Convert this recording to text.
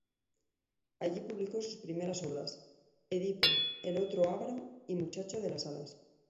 Allí publicó sus primeras obras: "Edipo", "El otro Avaro" y "Muchacho de las alas".